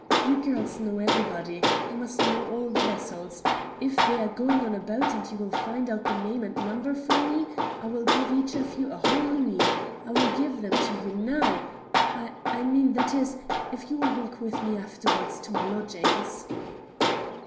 "You girls know everybody. You must know all the vessels. If they are going on a boat and you find out the name and number for me I will give each of you a whole louis. I will give them to you now I mean, that is, if you will walk with me afterwards to my lodgings."